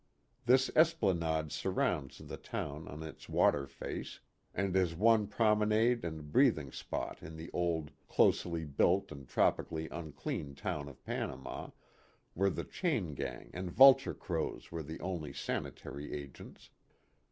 This esplanade surrounds the town on its water face, and is the one promenade and breathing spot in the old, closely built and tropically unclean town of Panama, where the chain gang and vulture crows were the only sanitary agents.